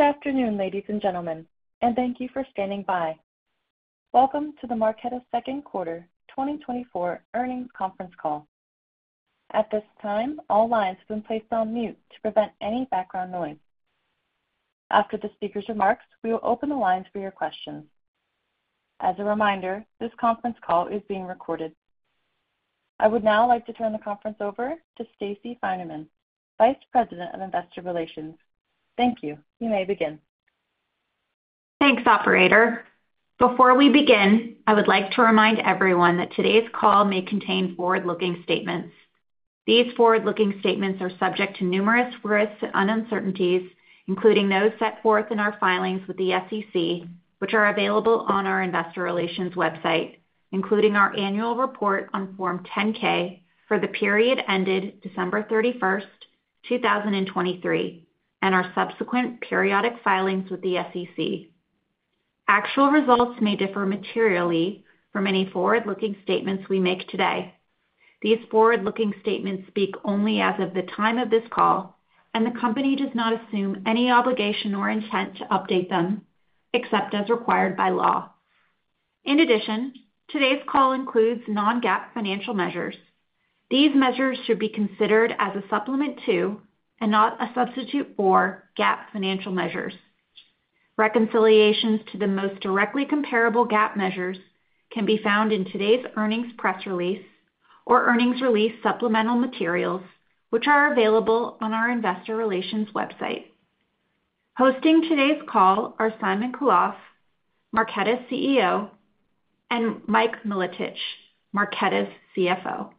Good afternoon, ladies and gentlemen, and thank you for standing by. Welcome to the Marqeta Second Quarter 2024 Earnings Conference Call. At this time, all lines have been placed on mute to prevent any background noise. After the speaker's remarks, we will open the lines for your questions. As a reminder, this conference call is being recorded. I would now like to turn the conference over to Stacey Finerman, Vice President of Investor Relations. Thank you. You may begin. Thanks, operator. Before we begin, I would like to remind everyone that today's call may contain forward-looking statements. These forward-looking statements are subject to numerous risks and uncertainties, including those set forth in our filings with the SEC, which are available on our investor relations website, including our annual report on Form 10-K for the period ended December 31st, 2023, and our subsequent periodic filings with the SEC. Actual results may differ materially from any forward-looking statements we make today. These forward-looking statements speak only as of the time of this call, and the company does not assume any obligation or intent to update them, except as required by law. In addition, today's call includes non-GAAP financial measures. These measures should be considered as a supplement to, and not a substitute for, GAAP financial measures. Reconciliations to the most directly comparable GAAP measures can be found in today's earnings press release or earnings release supplemental materials, which are available on our investor relations website. Hosting today's call are Simon Khalaf, Marqeta's CEO, and Mike Milotich, Marqeta's CFO.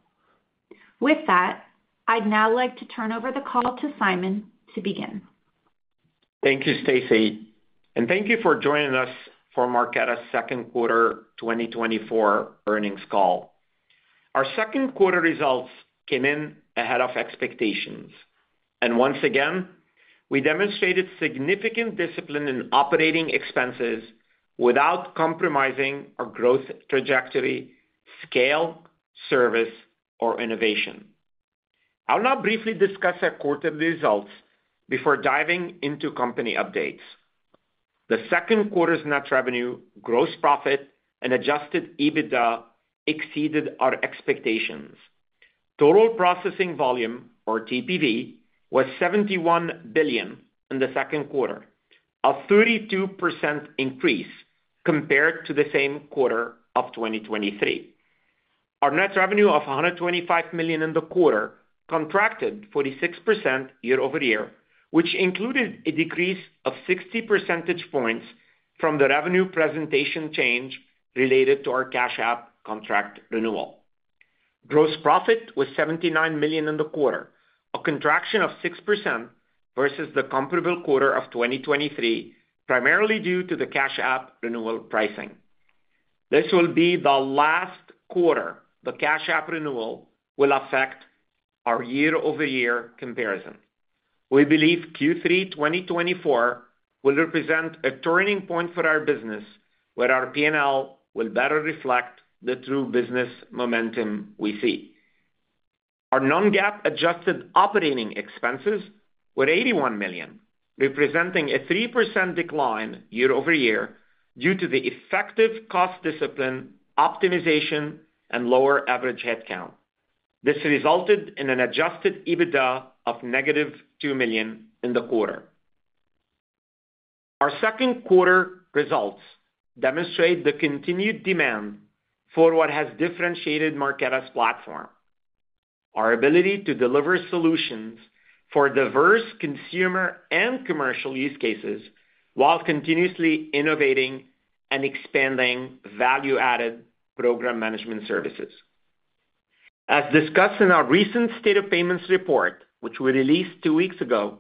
With that, I'd now like to turn over the call to Simon to begin. Thank you, Stacey, and thank you for joining us for Marqeta's second quarter 2024 earnings call. Our second quarter results came in ahead of expectations, and once again, we demonstrated significant discipline in operating expenses without compromising our growth trajectory, scale, service, or innovation. I'll now briefly discuss our quarterly results before diving into company updates. The second quarter's net revenue, gross profit, and adjusted EBITDA exceeded our expectations. Total processing volume, or TPV, was $71 billion in the second quarter, a 32% increase compared to the same quarter of 2023. Our net revenue of $125 million in the quarter contracted 46% year-over-year, which included a decrease of 60 percentage points from the revenue presentation change related to our Cash App contract renewal. Gross profit was $79 million in the quarter, a contraction of 6% versus the comparable quarter of 2023, primarily due to the Cash App renewal pricing. This will be the last quarter the Cash App renewal will affect our year-over-year comparison. We believe Q3 2024 will represent a turning point for our business, where our PNL will better reflect the true business momentum we see. Our non-GAAP adjusted operating expenses were $81 million, representing a 3% decline year-over-year due to the effective cost discipline, optimization, and lower average headcount. This resulted in an adjusted EBITDA of -$2 million in the quarter. Our second quarter results demonstrate the continued demand for what has differentiated Marqeta's platform, our ability to deliver solutions for diverse consumer and commercial use cases while continuously innovating and expanding value-added program management services. As discussed in our recent State of Payments report, which we released two weeks ago,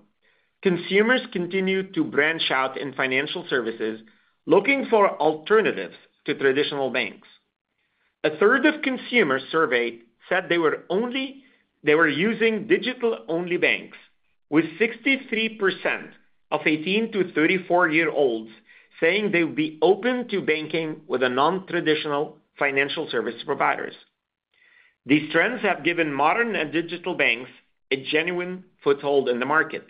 consumers continue to branch out in financial services, looking for alternatives to traditional banks. A third of consumers surveyed said they were using digital-only banks, with 63% of 18-34 year olds saying they would be open to banking with non-traditional financial service providers. These trends have given modern and digital banks a genuine foothold in the market.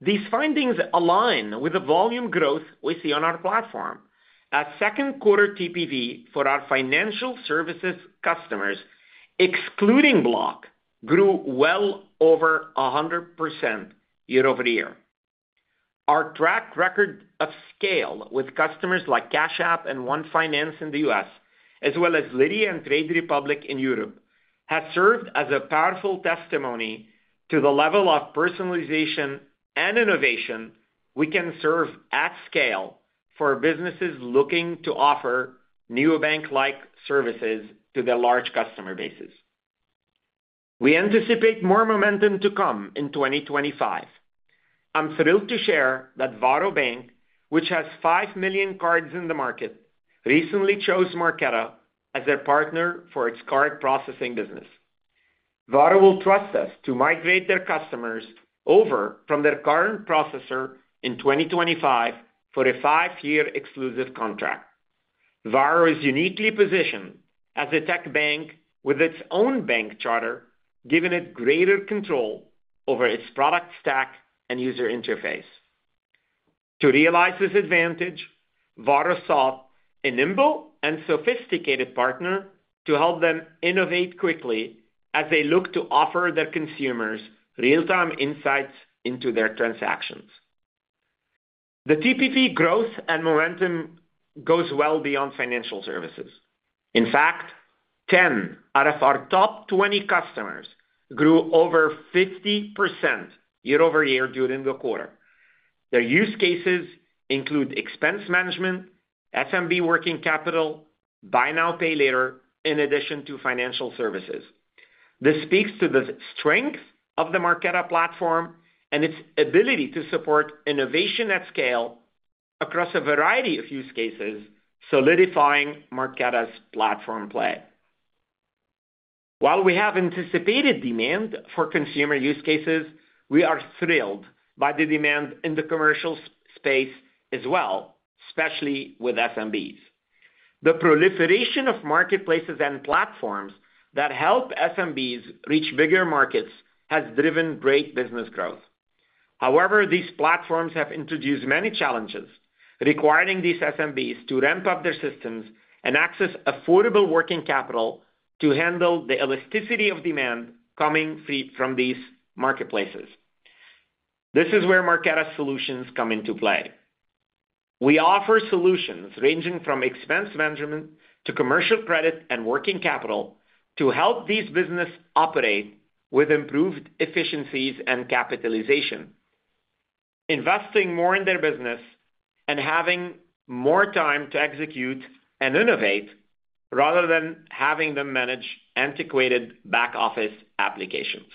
These findings align with the volume growth we see on our platform. At second quarter, TPV for our financial services customers, excluding Block, grew well over 100% year-over-year. Our track record of scale with customers like Cash App and ONE Finance in the U.S., as well as Lydia and Trade Republic in Europe, has served as a powerful testimony to the level of personalization and innovation we can serve at scale for businesses looking to offer new bank-like services to their large customer bases. We anticipate more momentum to come in 2025. I'm thrilled to share that Varo Bank, which has 5 million cards in the market, recently chose Marqeta as their partner for its card processing business. Varo will trust us to migrate their customers over from their current processor in 2025 for a 5 year exclusive contract. Varo is uniquely positioned as a tech bank with its own bank charter, giving it greater control over its product stack and user interface. To realize this advantage, Varo sought a nimble and sophisticated partner to help them innovate quickly as they look to offer their consumers real-time insights into their transactions. The TPV growth and momentum goes well beyond financial services. In fact, 10 out of our top 20 customers grew over 50% year-over-year during the quarter. Their use cases include expense management, SMB working capital, buy now, pay later, in addition to financial services. This speaks to the strength of the Marqeta platform and its ability to support innovation at scale across a variety of use cases, solidifying Marqeta's platform play. While we have anticipated demand for consumer use cases, we are thrilled by the demand in the commercial space as well, especially with SMBs. The proliferation of marketplaces and platforms that help SMBs reach bigger markets has driven great business growth. However, these platforms have introduced many challenges, requiring these SMBs to ramp up their systems and access affordable working capital to handle the elasticity of demand coming free from these marketplaces. This is where Marqeta solutions come into play. We offer solutions ranging from expense management to commercial credit and working capital to help these businesses operate with improved efficiencies and capitalization, investing more in their business and having more time to execute and innovate, rather than having them manage antiquated back-office applications.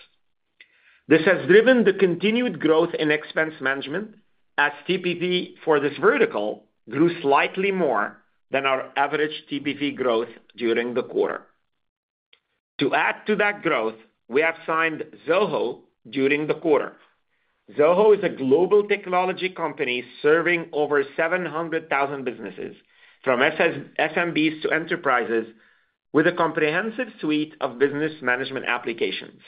This has driven the continued growth in expense management, as TPV for this vertical grew slightly more than our average TPV growth during the quarter. To add to that growth, we have signed Zoho during the quarter. Zoho is a global technology company serving over 700,000 businesses, from SMBs to enterprises, with a comprehensive suite of business management applications.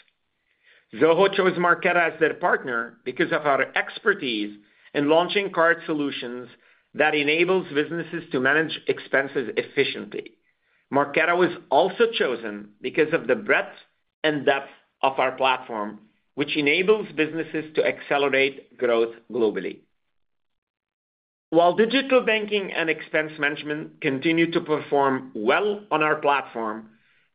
Zoho chose Marqeta as their partner because of our expertise in launching card solutions that enables businesses to manage expenses efficiently. Marqeta was also chosen because of the breadth and depth of our platform, which enables businesses to accelerate growth globally. While digital banking and expense management continue to perform well on our platform,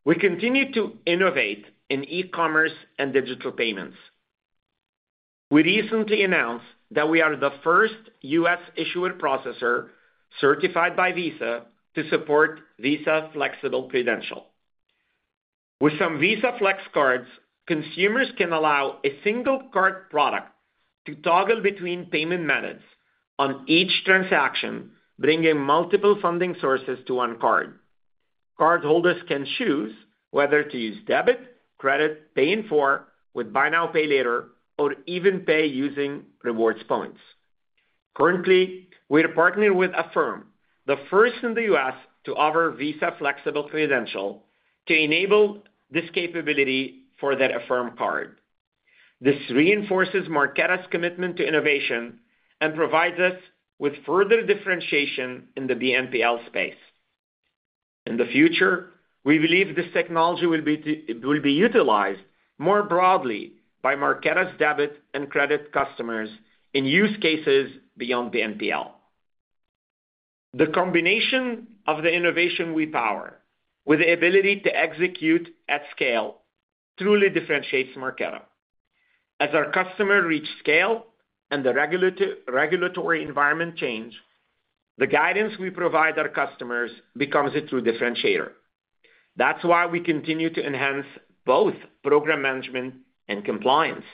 we continue to innovate in e-commerce and digital payments. We recently announced that we are the first U.S. issuer processor, certified by Visa, to support Visa Flexible Credential. With some Visa Flex cards, consumers can allow a single card product to toggle between payment methods on each transaction, bringing multiple funding sources to one card. Cardholders can choose whether to use debit, credit, pay in full, with buy now, pay later, or even pay using rewards points. Currently, we are partnering with Affirm, the first in the U.S. to offer Visa Flexible Credential, to enable this capability for their Affirm Card. This reinforces Marqeta's commitment to innovation and provides us with further differentiation in the BNPL space. In the future, we believe this technology will be utilized more broadly by Marqeta's debit and credit customers in use cases beyond BNPL. The combination of the innovation we power, with the ability to execute at scale, truly differentiates Marqeta. As our customer reach scale and the regulatory environment change, the guidance we provide our customers becomes a true differentiator. That's why we continue to enhance both program management and compliance.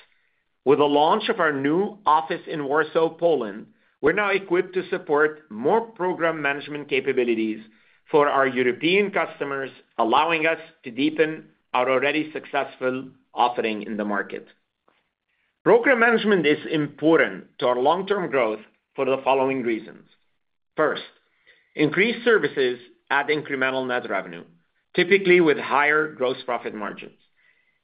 With the launch of our new office in Warsaw, Poland, we're now equipped to support more program management capabilities for our European customers, allowing us to deepen our already successful offering in the market. Program management is important to our long-term growth for the following reasons: First, increased services add incremental net revenue, typically with higher gross profit margins.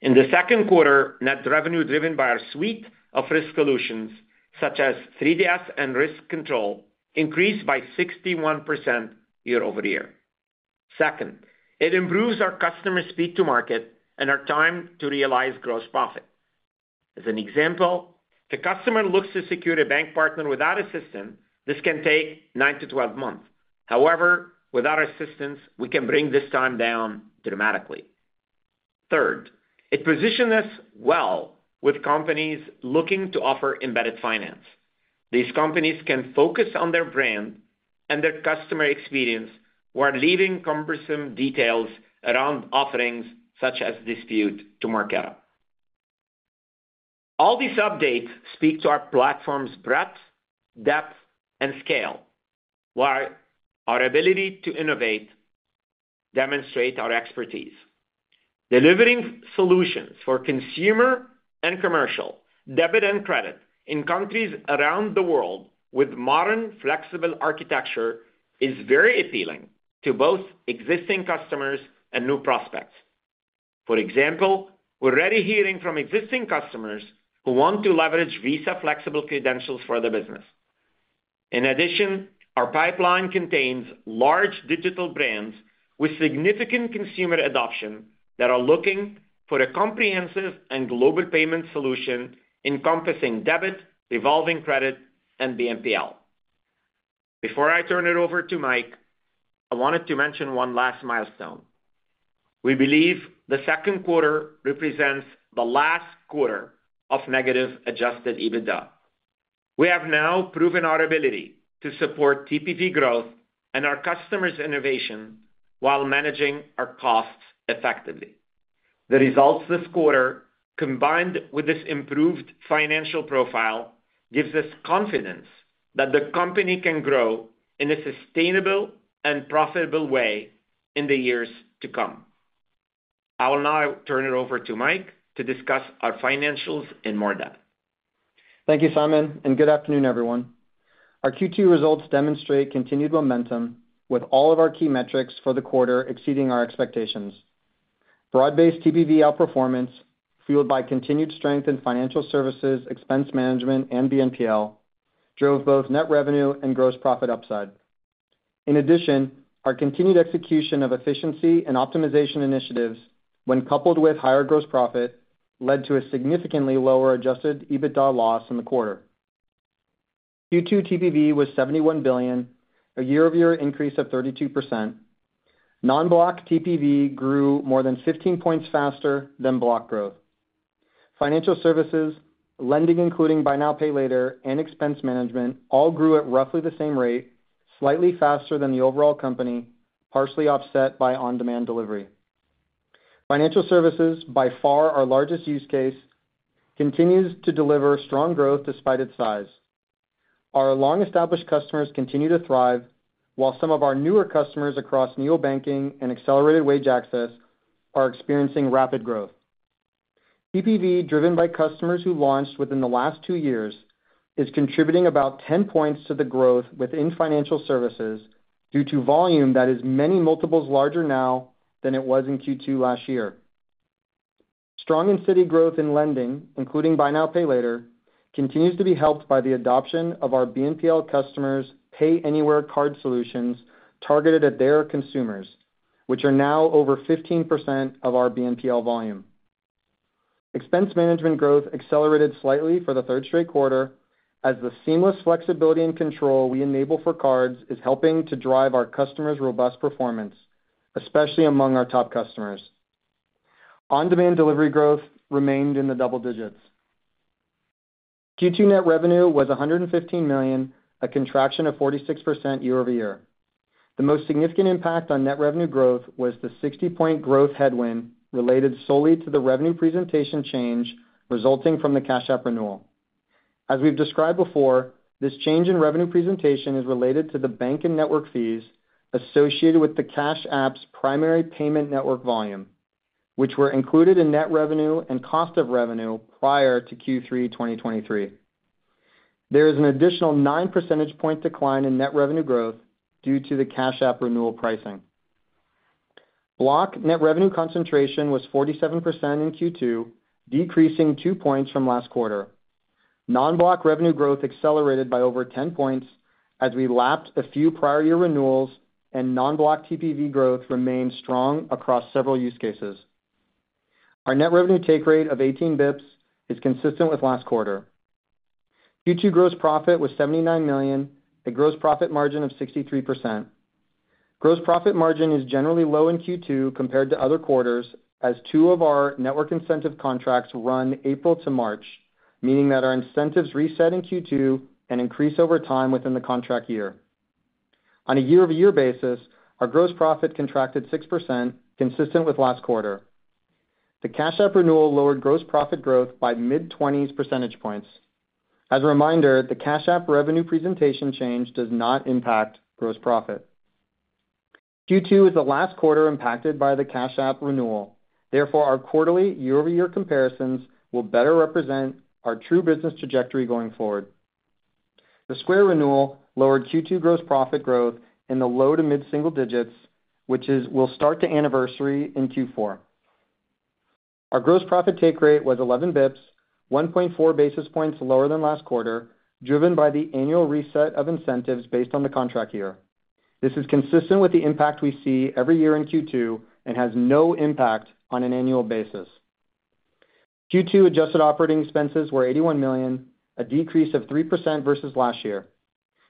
In the second quarter, net revenue driven by our suite of risk solutions, such as 3DS and RiskControl, increased by 61% year-over-year. Second, it improves our customer's speed to market and our time to realize gross profit. As an example, if the customer looks to secure a bank partner without assistance, this can take 9-12 months. However, with our assistance, we can bring this time down dramatically. Third, it positions us well with companies looking to offer embedded finance. These companies can focus on their brand and their customer experience, while leaving cumbersome details around offerings, such as dispute, to Marqeta. All these updates speak to our platform's breadth, depth, and scale, while our ability to innovate-... demonstrate our expertise. Delivering solutions for consumer and commercial, debit and credit in countries around the world with modern, flexible architecture is very appealing to both existing customers and new prospects. For example, we're already hearing from existing customers who want to leverage Visa Flexible Credentials for their business. In addition, our pipeline contains large digital brands with significant consumer adoption that are looking for a comprehensive and global payment solution encompassing debit, revolving credit, and BNPL. Before I turn it over to Mike, I wanted to mention one last milestone. We believe the second quarter represents the last quarter of negative Adjusted EBITDA. We have now proven our ability to support TPV growth and our customers' innovation while managing our costs effectively. The results this quarter, combined with this improved financial profile, gives us confidence that the company can grow in a sustainable and profitable way in the years to come. I will now turn it over to Mike to discuss our financials in more depth. Thank you, Simon, and good afternoon, everyone. Our Q2 results demonstrate continued momentum with all of our key metrics for the quarter exceeding our expectations. Broad-based TPV outperformance, fueled by continued strength in financial services, expense management, and BNPL, drove both net revenue and gross profit upside. In addition, our continued execution of efficiency and optimization initiatives, when coupled with higher gross profit, led to a significantly lower adjusted EBITDA loss in the quarter. Q2 TPV was $71 billion, a year-over-year increase of 32%. Non-Block TPV grew more than 15 points faster than Block growth. Financial services, lending, including buy now, pay later, and expense management, all grew at roughly the same rate, slightly faster than the overall company, partially offset by on-demand delivery. Financial services, by far our largest use case, continues to deliver strong growth despite its size. Our long-established customers continue to thrive, while some of our newer customers across neobanking and accelerated wage access are experiencing rapid growth. TPV, driven by customers who launched within the last two years, is contributing about 10 points to the growth within financial services due to volume that is many multiples larger now than it was in Q2 last year. Strong and steady growth in lending, including buy now, pay later, continues to be helped by the adoption of our BNPL customers' Pay Anywhere card solutions targeted at their consumers, which are now over 15% of our BNPL volume. Expense management growth accelerated slightly for the third straight quarter, as the seamless flexibility and control we enable for cards is helping to drive our customers' robust performance, especially among our top customers. On-demand delivery growth remained in the double digits. Q2 net revenue was $115 million, a contraction of 46% year-over-year. The most significant impact on net revenue growth was the 60-point growth headwind related solely to the revenue presentation change resulting from the Cash App renewal. As we've described before, this change in revenue presentation is related to the bank and network fees associated with the Cash App's primary payment network volume, which were included in net revenue and cost of revenue prior to Q3 2023. There is an additional nine percentage point decline in net revenue growth due to the Cash App renewal pricing. Block net revenue concentration was 47% in Q2, decreasing 2 points from last quarter. Non-Block revenue growth accelerated by over 10 points as we lapsed a few prior year renewals and non-Block TPV growth remained strong across several use cases. Our net revenue take rate of 18 basis points is consistent with last quarter. Q2 gross profit was $79 million, a gross profit margin of 63%. Gross profit margin is generally low in Q2 compared to other quarters, as two of our network incentive contracts run April - March, meaning that our incentives reset in Q2 and increase over time within the contract year. On a year-over-year basis, our gross profit contracted 6%, consistent with last quarter. The Cash App renewal lowered gross profit growth by mid-20s percentage points. As a reminder, the Cash App revenue presentation change does not impact gross profit. Q2 is the last quarter impacted by the Cash App renewal. Therefore, our quarterly year-over-year comparisons will better represent our true business trajectory going forward. The Square renewal lowered Q2 gross profit growth in the low to mid-single digits, which will start to anniversary in Q4. Our gross profit take rate was 11 basis points, 1.4 basis points lower than last quarter, driven by the annual reset of incentives based on the contract year. This is consistent with the impact we see every year in Q2 and has no impact on an annual basis. Q2 adjusted operating expenses were $81 million, a decrease of 3% versus last year.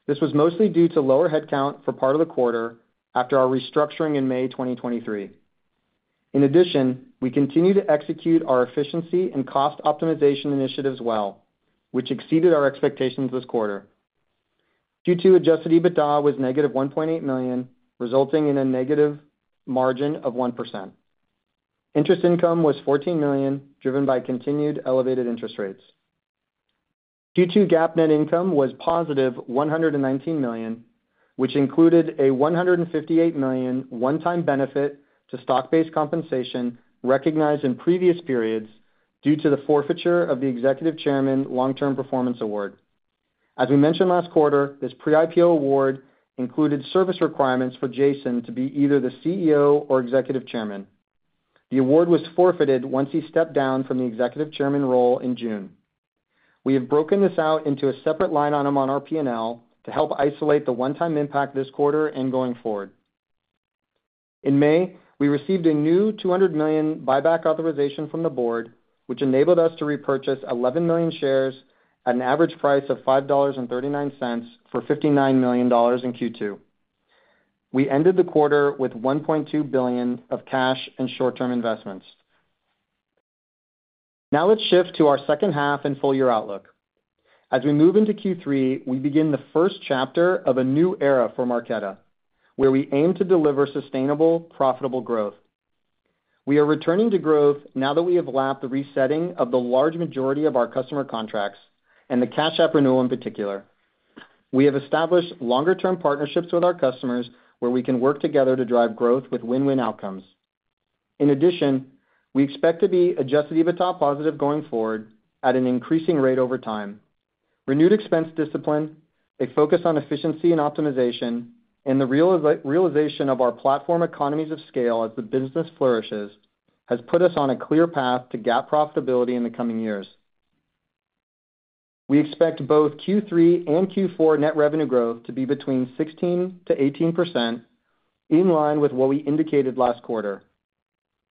This was mostly due to lower headcount for part of the quarter after our restructuring in May 2023. In addition, we continue to execute our efficiency and cost optimization initiatives well, which exceeded our expectations this quarter. Q2 adjusted EBITDA was -$1.8 million, resulting in a negative margin of 1%. Interest income was $14 million, driven by continued elevated interest rates. Q2 GAAP net income was positive $119 million, which included a $158 million one-time benefit to stock-based compensation recognized in previous periods due to the forfeiture of the executive chairman long-term performance award. As we mentioned last quarter, this pre-IPO award included service requirements for Jason to be either the CEO or executive chairman. The award was forfeited once he stepped down from the executive chairman role in June. We have broken this out into a separate line item on our P&L to help isolate the one-time impact this quarter and going forward. In May, we received a new $200 million buyback authorization from the board, which enabled us to repurchase 11 million shares at an average price of $5.39 for $59 million in Q2. We ended the quarter with $1.2 billion of cash and short-term investments. Now let's shift to our second half and full year outlook. As we move into Q3, we begin the first chapter of a new era for Marqeta, where we aim to deliver sustainable, profitable growth. We are returning to growth now that we have lapped the resetting of the large majority of our customer contracts and the Cash App renewal in particular. We have established longer-term partnerships with our customers, where we can work together to drive growth with win-win outcomes. In addition, we expect to be Adjusted EBITDA positive going forward at an increasing rate over time. Renewed expense discipline, a focus on efficiency and optimization, and the realization of our platform economies of scale as the business flourishes, has put us on a clear path to GAAP profitability in the coming years. We expect both Q3 and Q4 net revenue growth to be between 16%-18%, in line with what we indicated last quarter.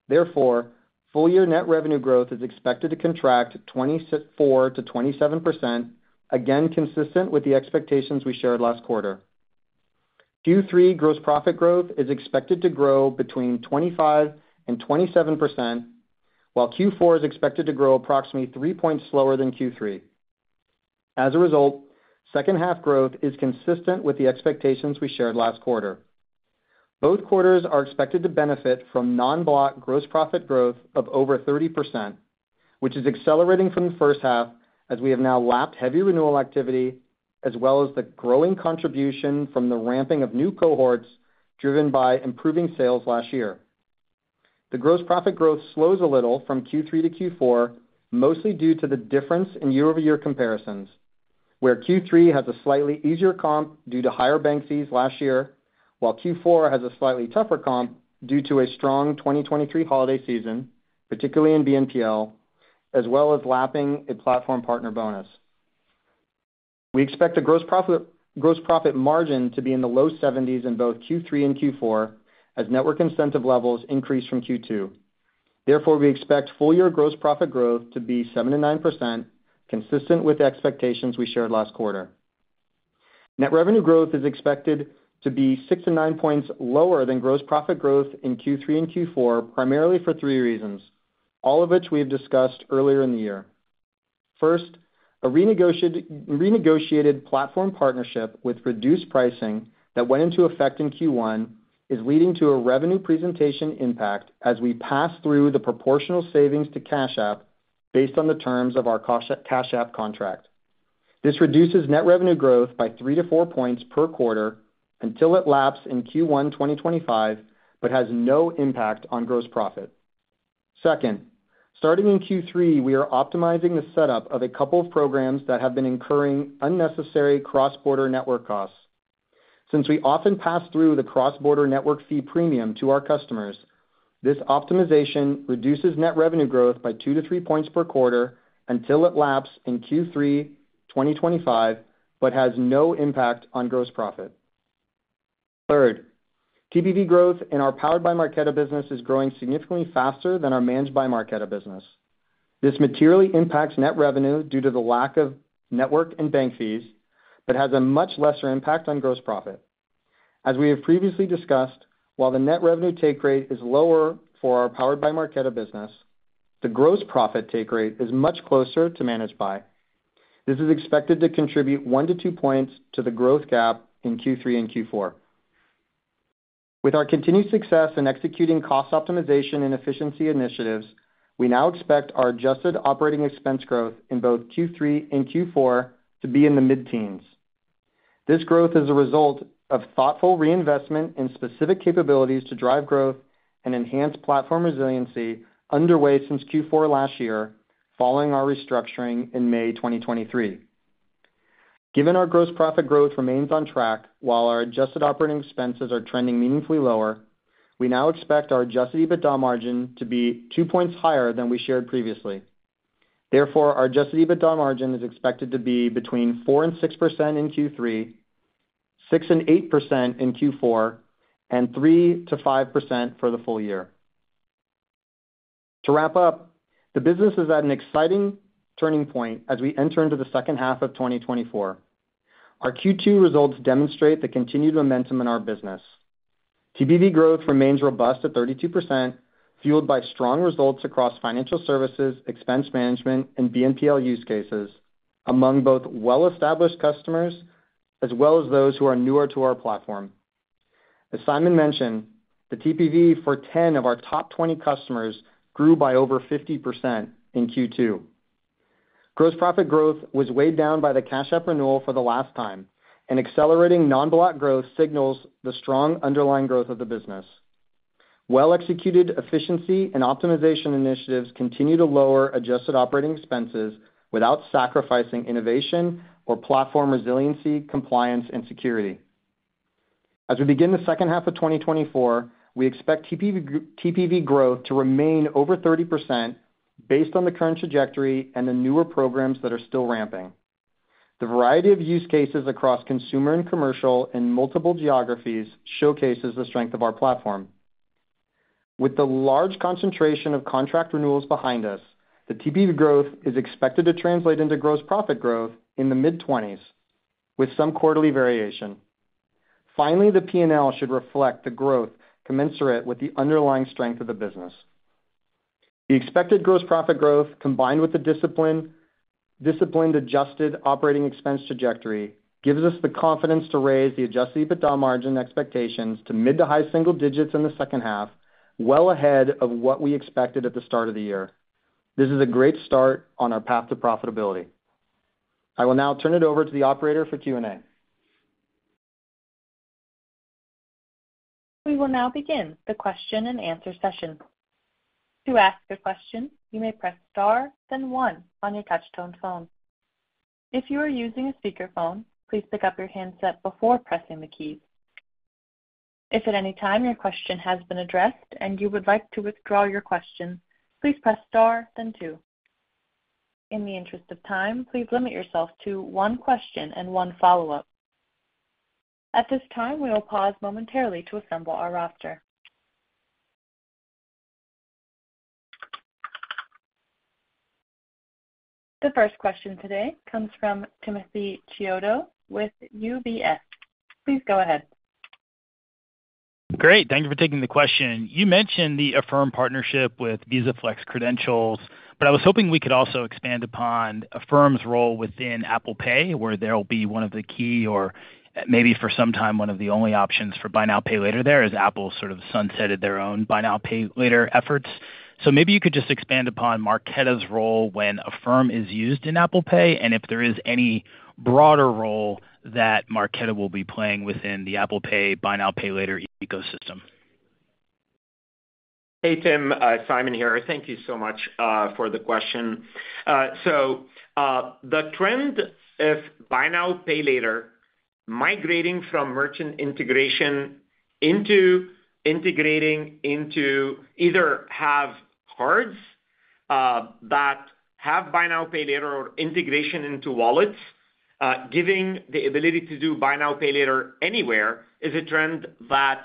Therefore, full-year net revenue growth is expected to contract 24%-27%, again, consistent with the expectations we shared last quarter. Q3 gross profit growth is expected to grow between 25%-27%, while Q4 is expected to grow approximately 3 points slower than Q3. As a result, second half growth is consistent with the expectations we shared last quarter. Both quarters are expected to benefit from non-Block gross profit growth of over 30%, which is accelerating from the first half, as we have now lapped heavy renewal activity, as well as the growing contribution from the ramping of new cohorts driven by improving sales last year. The gross profit growth slows a little from Q3 to Q4, mostly due to the difference in year-over-year comparisons, where Q3 has a slightly easier comp due to higher bank fees last year, while Q4 has a slightly tougher comp due to a strong 2023 holiday season, particularly in BNPL, as well as lapping a platform partner bonus. We expect the gross profit, gross profit margin to be in the low 70s in both Q3 and Q4, as network incentive levels increase from Q2. Therefore, we expect full year gross profit growth to be 7%-9%, consistent with the expectations we shared last quarter. Net revenue growth is expected to be 6-9 points lower than gross profit growth in Q3 and Q4, primarily for three reasons, all of which we have discussed earlier in the year. First, a renegotiated platform partnership with reduced pricing that went into effect in Q1 is leading to a revenue presentation impact as we pass through the proportional savings to Cash App based on the terms of our Cash App contract. This reduces net revenue growth by 3-4 points per quarter until it laps in Q1 2025, but has no impact on gross profit. Second, starting in Q3, we are optimizing the setup of a couple of programs that have been incurring unnecessary cross-border network costs. Since we often pass through the cross-border network fee premium to our customers, this optimization reduces net revenue growth by 2-3 points per quarter until it laps in Q3 2025, but has no impact on gross profit. Third, TPV growth in our Powered by Marqeta business is growing significantly faster than our Managed by Marqeta business. This materially impacts net revenue due to the lack of network and bank fees, but has a much lesser impact on gross profit. As we have previously discussed, while the net revenue take rate is lower for our Powered by Marqeta business, the gross profit take rate is much closer to Managed by Marqeta. This is expected to contribute 1-2 points to the growth gap in Q3 and Q4. With our continued success in executing cost optimization and efficiency initiatives, we now expect our adjusted operating expense growth in both Q3 and Q4 to be in the mid-teens. This growth is a result of thoughtful reinvestment in specific capabilities to drive growth and enhance platform resiliency underway since Q4 last year, following our restructuring in May 2023. Given our gross profit growth remains on track while our adjusted operating expenses are trending meaningfully lower, we now expect our adjusted EBITDA margin to be 2 points higher than we shared previously. Therefore, our adjusted EBITDA margin is expected to be between 4% and 6% in Q3, 6% and 8% in Q4, and 3%-5% for the full year. To wrap up, the business is at an exciting turning point as we enter into the second half of 2024. Our Q2 results demonstrate the continued momentum in our business. TPV growth remains robust at 32%, fueled by strong results across financial services, expense management, and BNPL use cases among both well-established customers as well as those who are newer to our platform. As Simon mentioned, the TPV for 10 of our top 20 customers grew by over 50% in Q2. Gross profit growth was weighed down by the Cash App renewal for the last time, and accelerating non-Block growth signals the strong underlying growth of the business. Well-executed efficiency and optimization initiatives continue to lower adjusted operating expenses without sacrificing innovation or platform resiliency, compliance, and security. As we begin the second half of 2024, we expect TPV, TPV growth to remain over 30% based on the current trajectory and the newer programs that are still ramping. The variety of use cases across consumer and commercial in multiple geographies showcases the strength of our platform. With the large concentration of contract renewals behind us, the TPV growth is expected to translate into gross profit growth in the mid-20s, with some quarterly variation. Finally, the P&L should reflect the growth commensurate with the underlying strength of the business. The expected gross profit growth, combined with the disciplined adjusted operating expense trajectory, gives us the confidence to raise the adjusted EBITDA margin expectations to mid- to high single digits in the second half, well ahead of what we expected at the start of the year. This is a great start on our path to profitability. I will now turn it over to the operator for Q&A. We will now begin the question and answer session. To ask a question, you may press star, then one on your touch-tone phone. If you are using a speakerphone, please pick up your handset before pressing the key. If at any time your question has been addressed and you would like to withdraw your question, please press star then two. In the interest of time, please limit yourself to one question and one follow-up. At this time, we will pause momentarily to assemble our roster. The first question today comes from Timothy Chiodo with UBS. Please go ahead. Great, thank you for taking the question. You mentioned the Affirm partnership with Visa Flexible Credentials, but I was hoping we could also expand upon Affirm's role within Apple Pay, where they'll be one of the key or maybe for some time, one of the only options for buy now, pay later there, as Apple sort of sunsetted their own buy now, pay later efforts. So maybe you could just expand upon Marqeta's role when Affirm is used in Apple Pay, and if there is any broader role that Marqeta will be playing within the Apple Pay, buy now, pay later ecosystem. Hey, Tim, Simon here. Thank you so much for the question. So, the trend is buy now, pay later, migrating from merchant integration into integrating into either have cards that have buy now, pay later, or integration into wallets, giving the ability to do buy now, pay later anywhere, is a trend that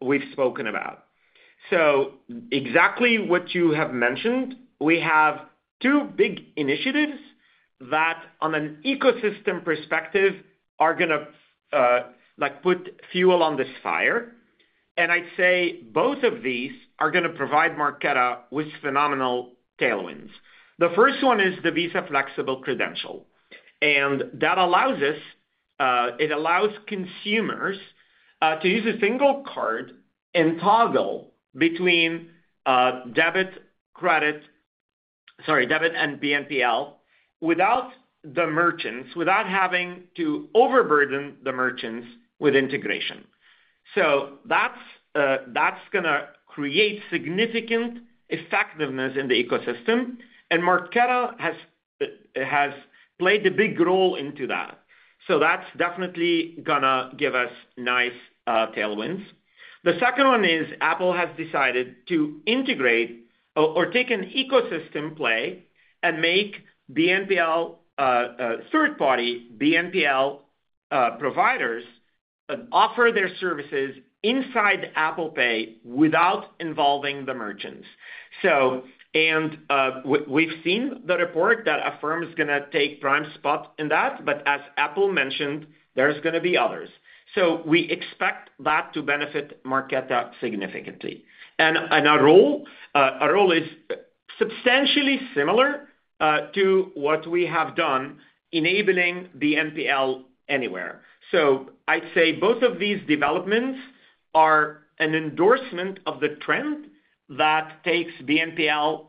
we've spoken about. So exactly what you have mentioned, we have two big initiatives that, on an ecosystem perspective, are gonna, like, put fuel on this fire. And I'd say both of these are gonna provide Marqeta with phenomenal tailwinds. The first one is the Visa Flexible Credential, and that allows us, it allows consumers to use a single card and toggle between, debit, credit. Sorry, debit and BNPL, without the merchants, without having to overburden the merchants with integration. So that's gonna create significant effectiveness in the ecosystem, and Marqeta has played a big role into that. So that's definitely gonna give us nice tailwinds. The second one is Apple has decided to integrate or take an ecosystem play and make BNPL third-party BNPL providers offer their services inside Apple Pay without involving the merchants. So we've seen the report that Affirm is gonna take prime spot in that, but as Apple mentioned, there's gonna be others. So we expect that to benefit Marqeta significantly. And our role is substantially similar to what we have done, enabling BNPL anywhere. So I'd say both of these developments are an endorsement of the trend that takes BNPL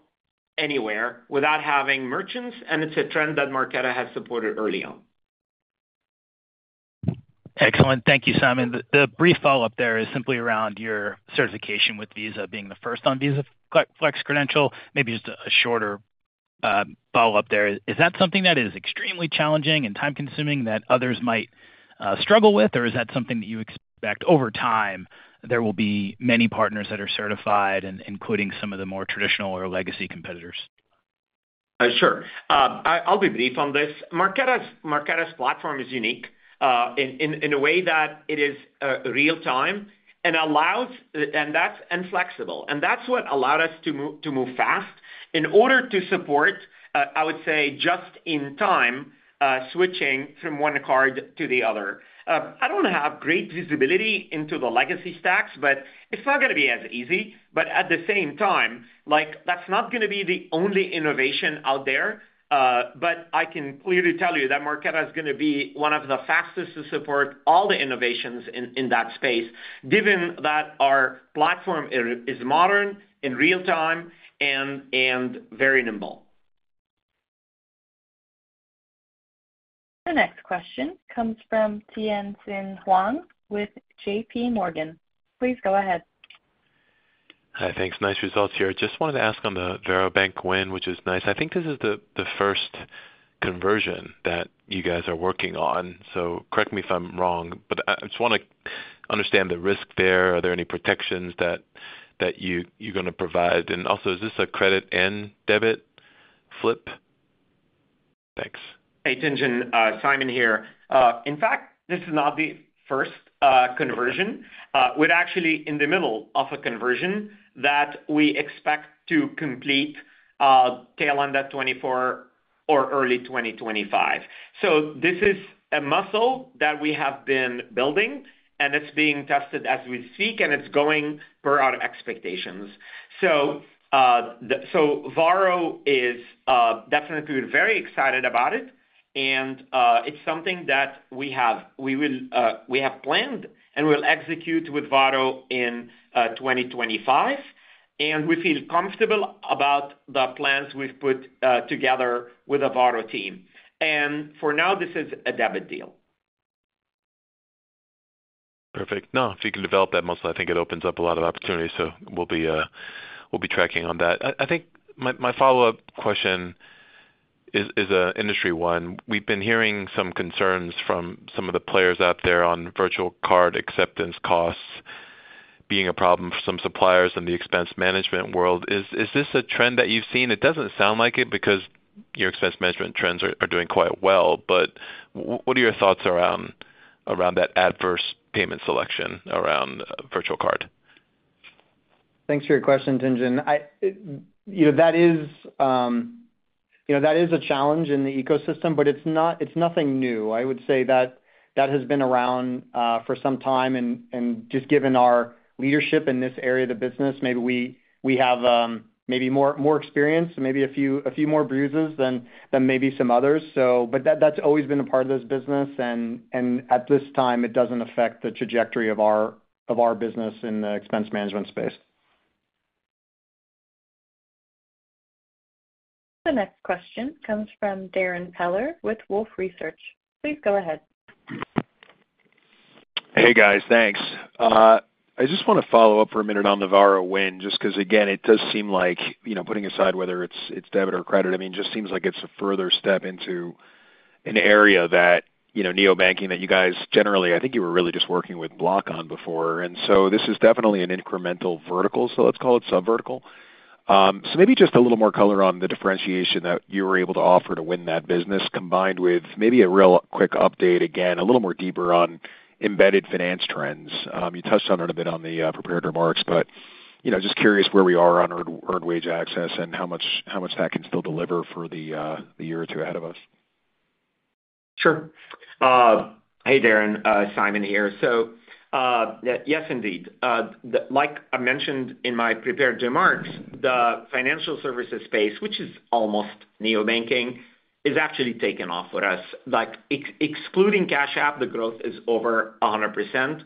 anywhere without having merchants, and it's a trend that Marqeta has supported early on. Excellent. Thank you, Simon. The brief follow-up there is simply around your certification, with Visa being the first on Visa Flexible Credential. Maybe just a shorter follow-up there. Is that something that is extremely challenging and time-consuming that others might struggle with? Or is that something that you expect over time, there will be many partners that are certified, and including some of the more traditional or legacy competitors? Sure. I'll be brief on this. Marqeta's platform is unique in a way that it is real time and flexible, and that's what allowed us to move fast in order to support, I would say, just in time switching from ONE card to the other. I don't have great visibility into the legacy stacks, but it's not gonna be as easy. But at the same time, like, that's not gonna be the only innovation out there, but I can clearly tell you that Marqeta is gonna be one of the fastest to support all the innovations in that space, given that our platform is modern, in real time, and very nimble. The next question comes from Tien-tsin Huang with JPMorgan. Please go ahead. Hi. Thanks. Nice results here. Just wanted to ask on the Varo Bank win, which is nice. I think this is the first conversion that you guys are working on, so correct me if I'm wrong, but I just wanna understand the risk there. Are there any protections that you're gonna provide? And also, is this a credit and debit flip? Thanks. Hey, Tien-tsin, Simon here. In fact, this is not the first conversion. We're actually in the middle of a conversion that we expect to complete, tail end of 2024 or early 2025. So this is a muscle that we have been building, and it's being tested as we speak, and it's going per our expectations. So, Varo is definitely very excited about it, and it's something that we have. We will, we have planned, and we'll execute with Varo in 2025, and we feel comfortable about the plans we've put together with the Varo team. And for now, this is a debit deal. Perfect. Now, if you can develop that muscle, I think it opens up a lot of opportunities, so we'll be tracking on that. I think my follow-up question is an industry one. We've been hearing some concerns from some of the players out there on virtual card acceptance costs being a problem for some suppliers in the expense management world. Is this a trend that you've seen? It doesn't sound like it because your expense management trends are doing quite well, but what are your thoughts around that adverse payment selection around virtual card? Thanks for your question, Tien-tsin. I, you know, that is a challenge in the ecosystem, but it's not. It's nothing new. I would say that has been around for some time and just given our leadership in this area of the business, maybe we have maybe more experience, maybe a few more bruises than maybe some others. So, but that's always been a part of this business, and at this time, it doesn't affect the trajectory of our business in the expense management space. The next question comes from Darrin Peller with Wolfe Research. Please go ahead. Hey, guys. Thanks. I just wanna follow up for a minute on the Varo win, just 'cause again, it does seem like, you know, putting aside whether it's, it's debit or credit, I mean, it just seems like it's a further step into an area that, you know, neobanking, that you guys generally. I think you were really just working with Block on before, and so this is definitely an incremental vertical, so let's call it sub-vertical. So maybe just a little more color on the differentiation that you were able to offer to win that business, combined with maybe a real quick update, again, a little more deeper on embedded finance trends. You touched on it a bit on the prepared remarks, but, you know, just curious where we are on earned, earned wage access and how much, how much that can still deliver for the year or two ahead of us. Sure. Hey, Darrin, Simon here. So, yes, indeed. Like I mentioned in my prepared remarks, the financial services space, which is almost neobanking, is actually taken off with us. Like, excluding Cash App, the growth is over 100%,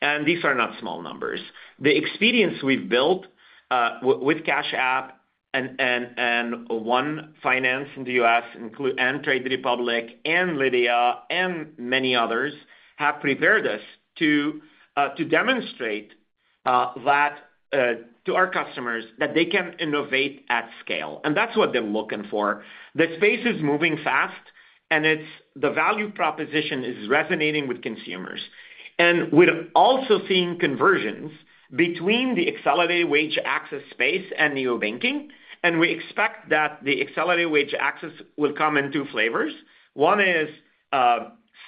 and these are not small numbers. The experience we've built with Cash App and ONE Finance in the U.S., including Trade Republic and Lydia and many others, have prepared us to demonstrate to our customers that they can innovate at scale, and that's what they're looking for. The space is moving fast, and it's the value proposition is resonating with consumers. And we're also seeing conversions between the accelerated wage access space and neobanking, and we expect that the accelerated wage access will come in two flavors. One is,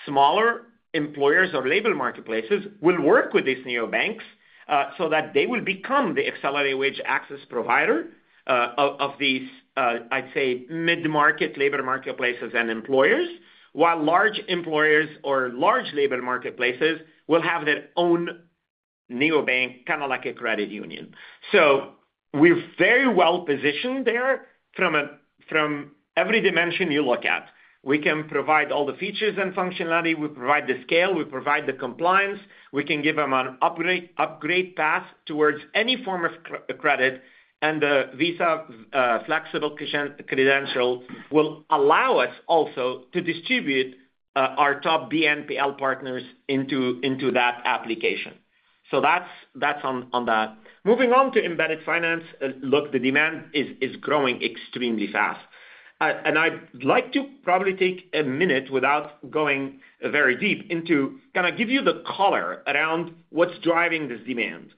smaller employers or labor marketplaces will work with these neobanks, so that they will become the accelerated wage access provider, of these, I'd say, mid-market labor marketplaces and employers. While large employers or large labor marketplaces will have their own neobank, kind of like a credit union. So we're very well positioned there from every dimension you look at. We can provide all the features and functionality. We provide the scale. We provide the compliance. We can give them an upgrade path towards any form of credit, and the Visa Flexible Credential will allow us also to distribute our top BNPL partners into that application. So that's on that. Moving on to embedded finance. Look, the demand is growing extremely fast. and I'd like to probably take a minute without going very deep into, kind of, give you the color around what's driving this demand.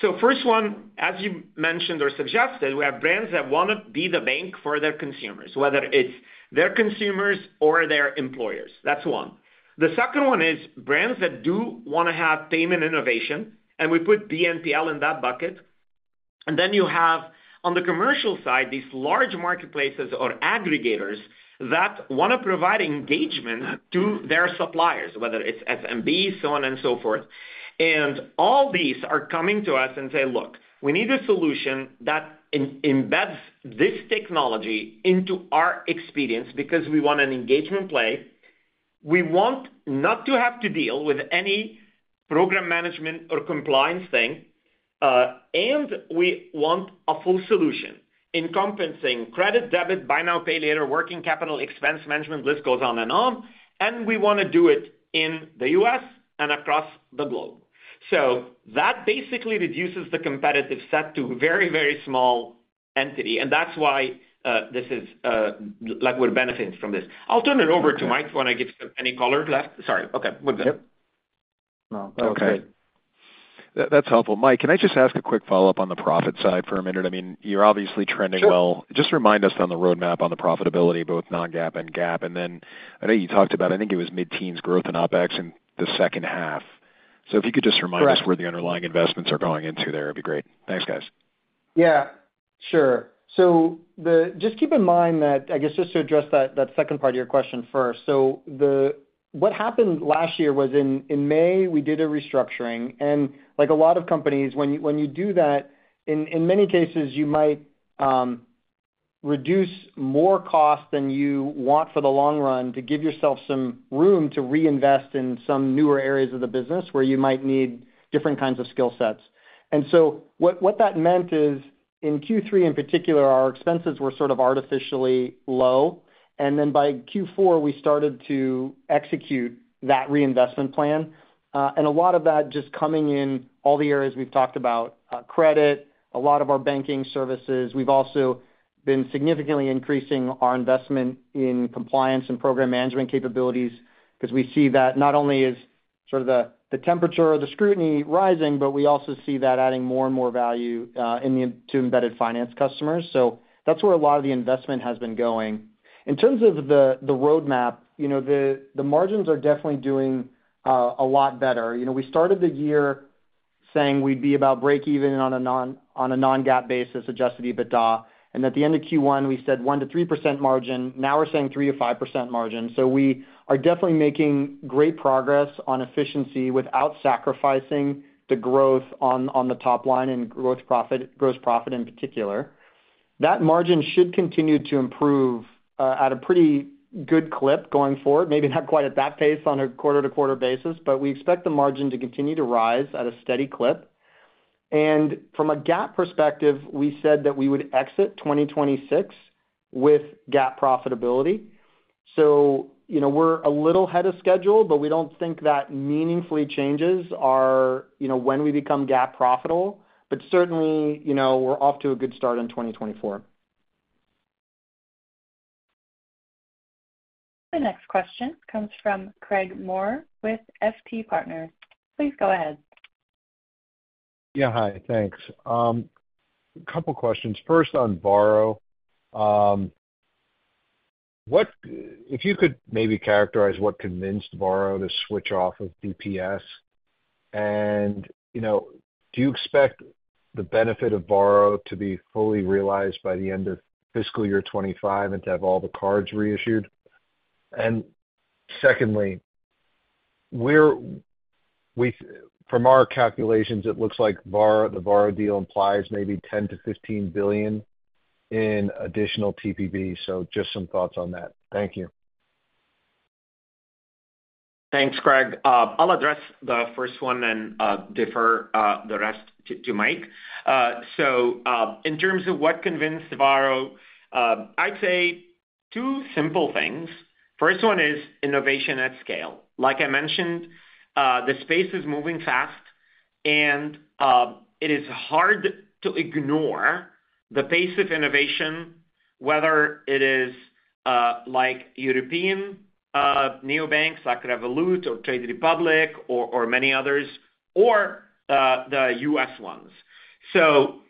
So first one, as you mentioned or suggested, we have brands that wanna be the bank for their consumers, whether it's their consumers or their employers. That's one. The second one is brands that do wanna have payment innovation, and we put BNPL in that bucket. And then you have, on the commercial side, these large marketplaces or aggregators that wanna provide engagement to their suppliers, whether it's SMB, so on and so forth. And all these are coming to us and say, "Look, we need a solution that embeds this technology into our experience because we want an engagement play. We want not to have to deal with any program management or compliance thing." And we want a full solution encompassing credit, debit, buy now, pay later, working capital, expense management, the list goes on and on, and we want to do it in the U.S. and across the globe. So that basically reduces the competitive set to very, very small entity, and that's why, this is, like, we're benefiting from this. I'll turn it over to Mike when I give any color left. Sorry. Okay, we're good. Yep. No, that was great. That, that's helpful. Mike, can I just ask a quick follow-up on the profit side for a minute? I mean, you're obviously trending well. Sure. Just remind us on the roadmap on the profitability, both non-GAAP and GAAP. And then I know you talked about, I think it was mid-teens growth in OpEx in the second half. So if you could just remind us- Correct... where the underlying investments are going into there, it'd be great. Thanks, guys. Yeah, sure. So just keep in mind that, I guess, just to address that second part of your question first. So what happened last year was in May, we did a restructuring, and like a lot of companies, when you do that, in many cases, you might reduce more cost than you want for the long run to give yourself some room to reinvest in some newer areas of the business where you might need different kinds of skill sets. And so what that meant is, in Q3, in particular, our expenses were sort of artificially low, and then by Q4, we started to execute that reinvestment plan. And a lot of that just coming in all the areas we've talked about, credit, a lot of our banking services. We've also been significantly increasing our investment in compliance and program management capabilities because we see that not only is sort of the temperature or the scrutiny rising, but we also see that adding more and more value into embedded finance customers. So that's where a lot of the investment has been going. In terms of the roadmap, you know, the margins are definitely doing a lot better. You know, we started the year saying we'd be about break even on a non-GAAP basis, adjusted EBITDA, and at the end of Q1, we said 1%-3% margin. Now we're saying 3%-5% margin. So we are definitely making great progress on efficiency without sacrificing the growth on the top line and gross profit in particular. That margin should continue to improve at a pretty good clip going forward. Maybe not quite at that pace on a quarter-to-quarter basis, but we expect the margin to continue to rise at a steady clip. From a GAAP perspective, we said that we would exit 2026 with GAAP profitability. So, you know, we're a little ahead of schedule, but we don't think that meaningfully changes our, you know, when we become GAAP profitable. But certainly, you know, we're off to a good start in 2024. The next question comes from Craig Maurer with FT Partners. Please go ahead. Yeah. Hi, thanks. A couple questions. First, on Varo. What if you could maybe characterize what convinced Varo to switch off of DPS, and, you know, do you expect the benefit of Varo to be fully realized by the end of fiscal year 2025 and to have all the cards reissued? And secondly, from our calculations, it looks like Varo, the Varo deal implies maybe $10 billion-$15 billion in additional TPV. So just some thoughts on that. Thank you. Thanks, Craig. I'll address the first one and defer the rest to Mike. So, in terms of what convinced Varo, I'd say two simple things. First one is innovation at scale. Like I mentioned, the space is moving fast, and it is hard to ignore the pace of innovation, whether it is like European neobanks, like Revolut or Trade Republic or many others, or the U.S. ones. So,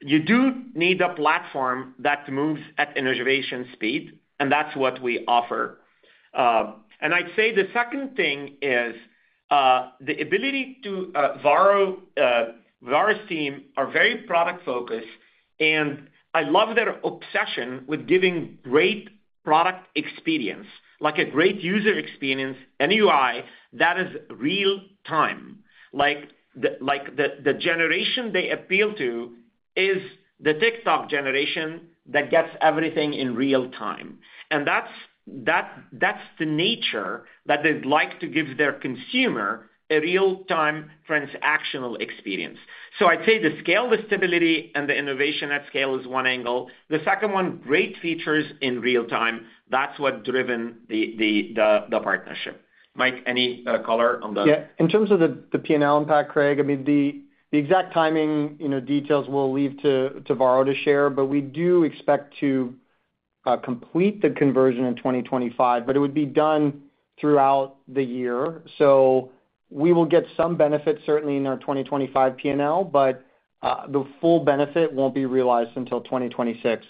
you do need a platform that moves at innovation speed, and that's what we offer. And I'd say the second thing is the ability to Varo's team are very product-focused, and I love their obsession with giving great product experience, like a great user experience, a UI that is real time. Like the generation they appeal to is the TikTok generation that gets everything in real time. And that's the nature that they'd like to give their consumer a real-time, transactional experience. So I'd say the scale, the stability, and the innovation at scale is one angle. The second one, great features in real time. That's what driven the partnership. Mike, any color on that? Yeah. In terms of the P&L impact, Craig, I mean, the exact timing, you know, details we'll leave to Varo to share, but we do expect to complete the conversion in 2025, but it would be done throughout the year. So we will get some benefit certainly in our 2025 P&L, but the full benefit won't be realized until 2026,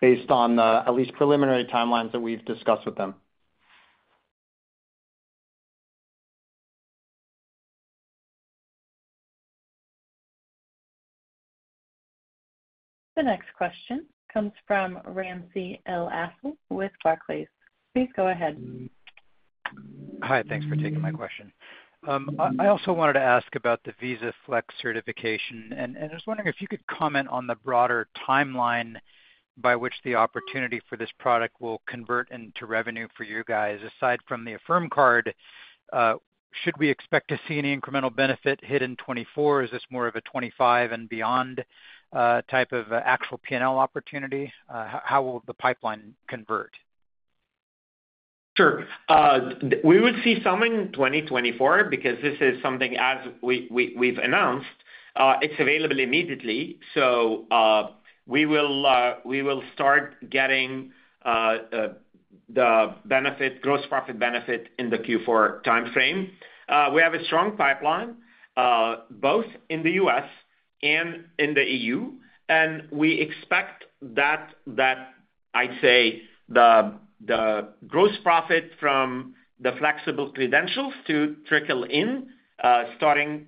based on the at least preliminary timelines that we've discussed with them. The next question comes from Ramsey El-Assal with Barclays. Please go ahead. Hi, thanks for taking my question. I also wanted to ask about the Visa Flex certification, and I was wondering if you could comment on the broader timeline by which the opportunity for this product will convert into revenue for you guys. Aside from the Affirm Card, should we expect to see any incremental benefit hit in 2024? Is this more of a 2025 and beyond type of actual P&L opportunity? How will the pipeline convert? Sure. We would see some in 2024, because this is something as we've announced. It's available immediately, so we will start getting the benefit, gross profit benefit in the Q4 timeframe. We have a strong pipeline both in the U.S. and in the E.U., and we expect that I'd say the gross profit from the flexible credentials to trickle in starting,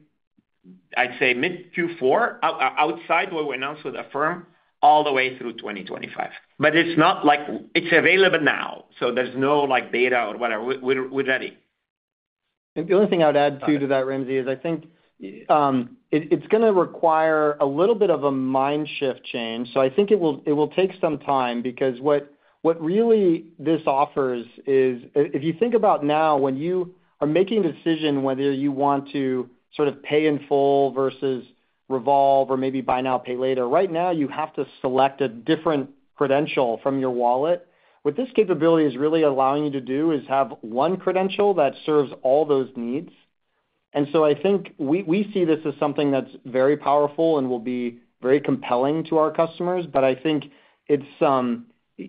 I'd say, mid Q4, outside what we announced with Affirm, all the way through 2025. But it's not like... It's available now, so there's no, like, beta or whatever. We're ready. The only thing I would add, too, to that, Ramsey, is I think, it, it's gonna require a little bit of a mind shift change. So I think it will, it will take some time, because what, what really this offers is, if you think about now, when you are making a decision whether you want to sort of pay in full versus revolve or maybe buy now, pay later, right now, you have to select a different credential from your wallet. What this capability is really allowing you to do is have one credential that serves all those needs. And so I think we, we see this as something that's very powerful and will be very compelling to our customers, but I think it's,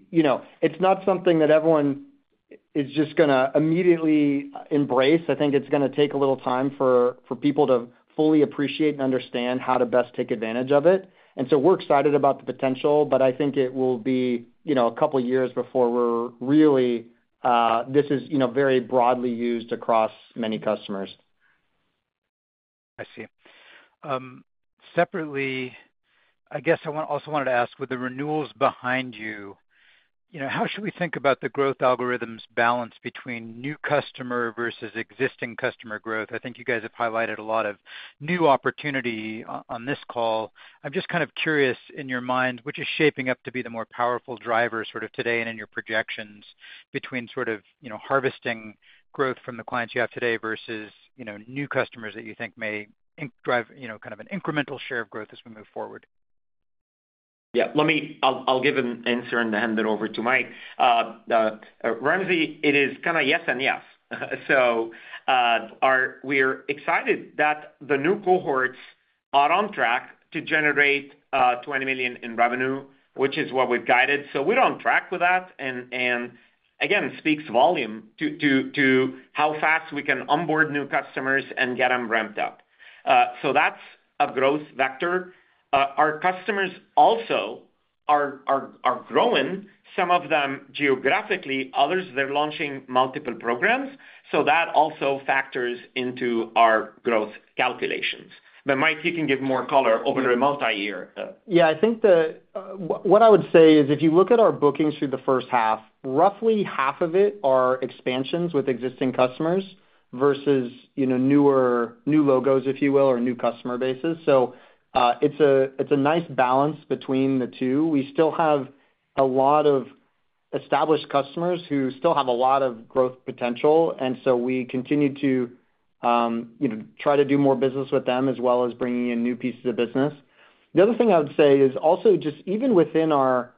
you know, it's not something that everyone is just gonna immediately embrace. I think it's gonna take a little time for people to fully appreciate and understand how to best take advantage of it. And so we're excited about the potential, but I think it will be, you know, a couple of years before we're really, you know, very broadly used across many customers. I see. Separately, I guess I also wanted to ask, with the renewals behind you, you know, how should we think about the growth algorithm's balance between new customer versus existing customer growth? I think you guys have highlighted a lot of new opportunity on this call. I'm just kind of curious, in your mind, which is shaping up to be the more powerful driver, sort of today and in your projections, between sort of, you know, harvesting growth from the clients you have today versus, you know, new customers that you think may drive, you know, kind of an incremental share of growth as we move forward? Yeah, let me. I'll give an answer and then hand it over to Mike. Ramsey, it is kind of yes and yes. So, we're excited that the new cohorts are on track to generate $20 million in revenue, which is what we've guided. So we're on track with that, and again, speaks volume to how fast we can onboard new customers and get them ramped up. So that's a growth vector. Our customers also are growing, some of them geographically, others, they're launching multiple programs, so that also factors into our growth calculations. But Mike, you can give more color over a multiyear. Yeah, I think what I would say is, if you look at our bookings through the first half, roughly half of it are expansions with existing customers versus, you know, newer, new logos, if you will, or new customer bases. So, it's a nice balance between the two. We still have a lot of established customers who still have a lot of growth potential, and so we continue to, you know, try to do more business with them, as well as bringing in new pieces of business. The other thing I would say is also just even within our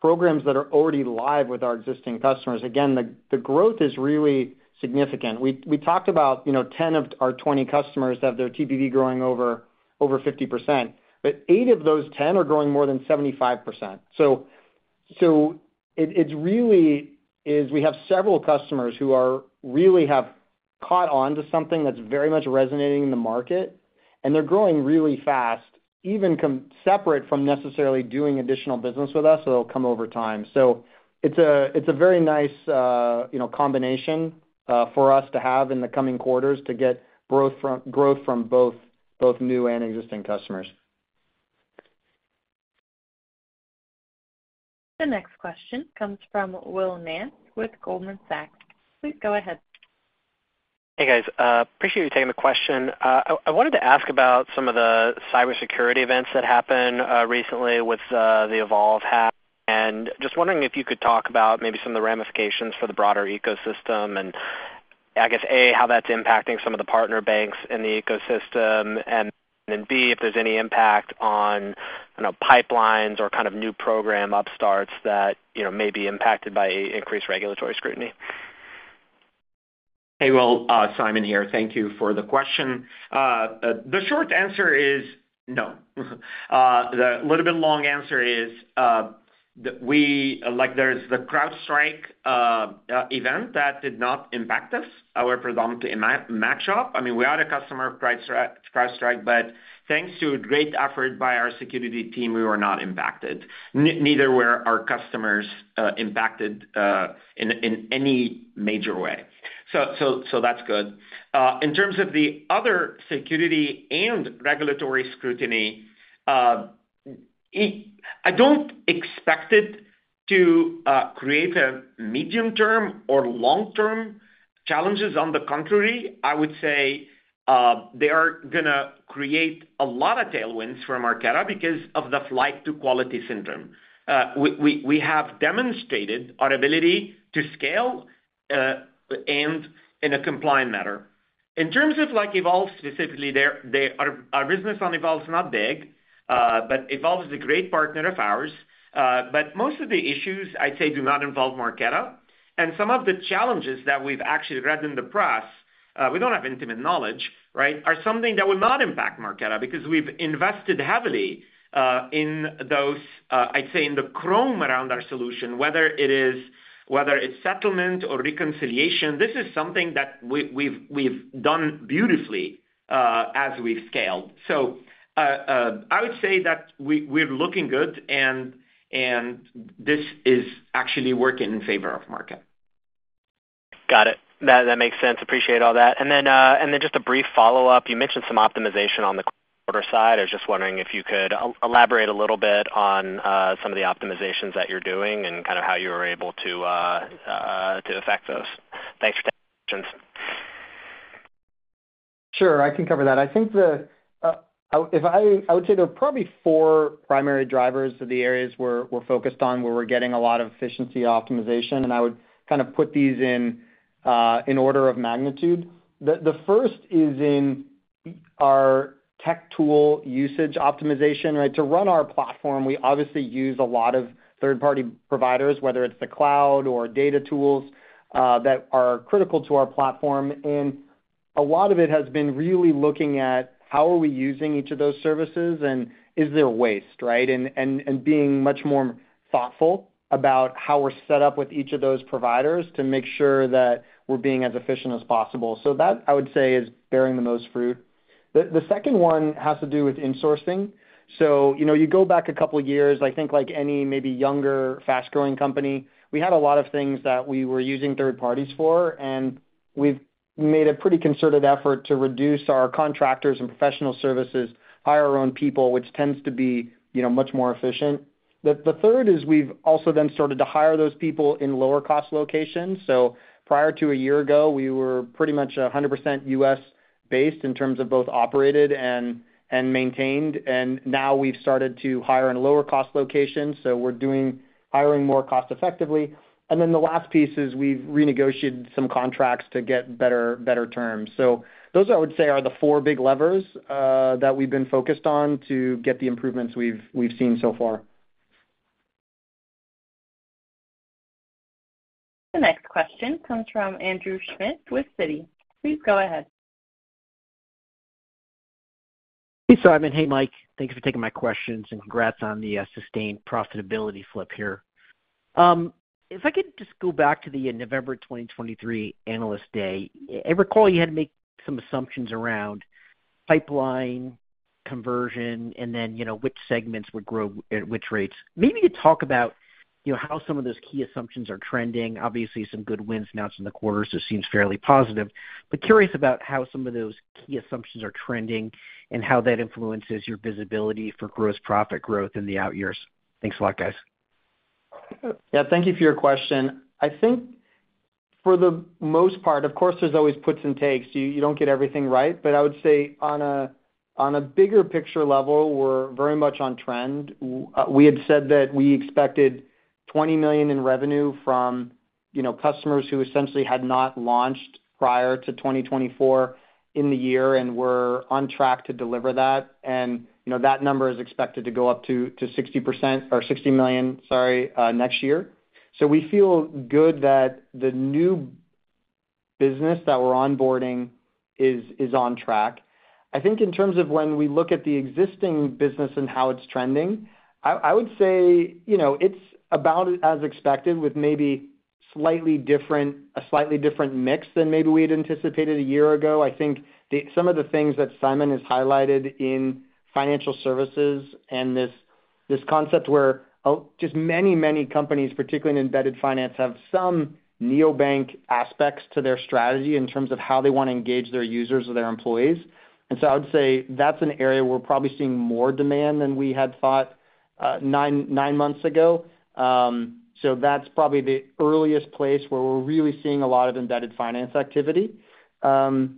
programs that are already live with our existing customers, again, the growth is really significant. We talked about, you know, 10 of our 20 customers have their TPV growing over 50%, but 8 of those 10 are growing more than 75%. So it really is we have several customers who really have caught on to something that's very much resonating in the market, and they're growing really fast, even separate from necessarily doing additional business with us, so it'll come over time. So it's a very nice, you know, combination for us to have in the coming quarters to get growth from both new and existing customers. The next question comes from Will Nance with Goldman Sachs. Please go ahead. Hey, guys, appreciate you taking the question. I wanted to ask about some of the cybersecurity events that happened recently with the Evolve hack. And just wondering if you could talk about maybe some of the ramifications for the broader ecosystem, and I guess, A, how that's impacting some of the partner banks in the ecosystem, and then, B, if there's any impact on, you know, pipelines or kind of new program upstarts that, you know, may be impacted by increased regulatory scrutiny. Hey, Will. Simon here. Thank you for the question. The short answer is no. The little bit long answer is, like, there's the CrowdStrike event that did not impact us, our predominant match-up. I mean, we are a customer of CrowdStrike, but thanks to a great effort by our security team, we were not impacted. Neither were our customers impacted in any major way. So that's good. In terms of the other security and regulatory scrutiny, I don't expect it to create medium-term or long-term challenges. On the contrary, I would say they are gonna create a lot of tailwinds from Marqeta because of the flight to quality syndrome. We have demonstrated our ability to scale and in a compliant manner. In terms of, like, Evolve specifically, our business on Evolve is not big, but Evolve is a great partner of ours. But most of the issues, I'd say, do not involve Marqeta. And some of the challenges that we've actually read in the press, we don't have intimate knowledge, right? Are something that would not impact Marqeta, because we've invested heavily in those, I'd say, in the chrome around our solution, whether it's settlement or reconciliation, this is something that we've done beautifully as we've scaled. So, I would say that we're looking good, and this is actually working in favor of Marqeta. Got it. That, that makes sense. Appreciate all that. And then just a brief follow-up. You mentioned some optimization on the quarter side. I was just wondering if you could elaborate a little bit on some of the optimizations that you're doing and kind of how you were able to to affect those. Thanks for taking my questions. Sure, I can cover that. I think the, if I. I would say there are probably four primary drivers of the areas we're focused on, where we're getting a lot of efficiency optimization, and I would kind of put these in order of magnitude. The first is in our tech tool usage optimization, right? To run our platform, we obviously use a lot of third-party providers, whether it's the cloud or data tools that are critical to our platform. And a lot of it has been really looking at how are we using each of those services, and is there waste, right? And being much more thoughtful about how we're set up with each of those providers to make sure that we're being as efficient as possible. So that, I would say, is bearing the most fruit. The second one has to do with insourcing. So, you know, you go back a couple of years, I think, like any maybe younger, fast-growing company, we had a lot of things that we were using third parties for, and we've made a pretty concerted effort to reduce our contractors and professional services, hire our own people, which tends to be, you know, much more efficient. The third is we've also then started to hire those people in lower-cost locations. So prior to a year ago, we were pretty much a hundred percent U.S. based in terms of both operated and maintained, and now we've started to hire in lower-cost locations, so we're doing hiring more cost effectively. And then the last piece is we've renegotiated some contracts to get better terms. So those, I would say, are the four big levers that we've been focused on to get the improvements we've seen so far. The next question comes from Andrew Schmidt with Citi. Please go ahead. Hey, Simon. Hey, Mike. Thank you for taking my questions, and congrats on the sustained profitability flip here. If I could just go back to the November 2023 Analyst Day, I recall you had to make some assumptions around pipeline conversion, and then, you know, which segments would grow at which rates. Maybe you talk about, you know, how some of those key assumptions are trending. Obviously, some good wins announced in the quarter, so it seems fairly positive. But curious about how some of those key assumptions are trending and how that influences your visibility for gross profit growth in the out years. Thanks a lot, guys. Yeah, thank you for your question. I think for the most part, of course, there's always puts and takes. You don't get everything right. But I would say on a bigger picture level, we're very much on trend. We had said that we expected $20 million in revenue from, you know, customers who essentially had not launched prior to 2024 in the year and were on track to deliver that. And, you know, that number is expected to go up to $60 million, sorry, next year. So we feel good that the new business that we're onboarding is on track. I think in terms of when we look at the existing business and how it's trending, I would say, you know, it's about as expected, with maybe a slightly different mix than maybe we'd anticipated a year ago. I think some of the things that Simon has highlighted in financial services and this concept where just many, many companies, particularly in embedded finance, have some neobank aspects to their strategy in terms of how they want to engage their users or their employees. So I would say that's an area where we're probably seeing more demand than we had thought nine months ago. So that's probably the earliest place where we're really seeing a lot of embedded finance activity. But